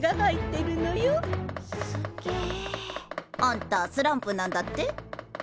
すんげえ。あんたスランプなんだって？